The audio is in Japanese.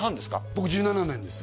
僕１７年です